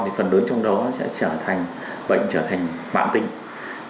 thì phần lớn trong đó sẽ trở thành bệnh trở thành mạng tính